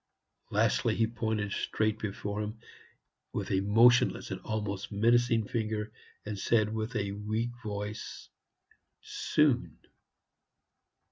Lastly, he pointed straight before him with a motionless and almost menacing finger, and said with a weak voice, "Soon."